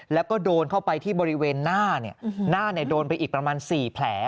แล้วก็โดนเข้าไปที่บริเวณหน้าหน้าโดนไปอีกประมาณ๔แผล